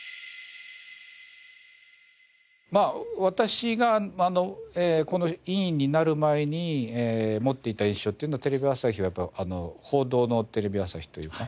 私がこの委員になる前に持っていた印象っていうのはテレビ朝日はやっぱり報道のテレビ朝日というか。